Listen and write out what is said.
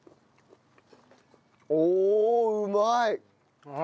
おおうまい！